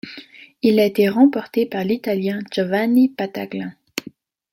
Il a été remporté par l'Italien Giovanni Battaglin.